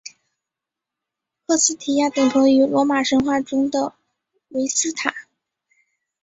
赫斯提亚等同于罗马神话中的维斯塔。